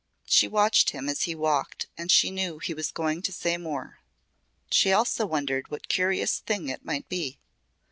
She watched him as he walked and she knew he was going to say more. She also wondered what curious thing it might be.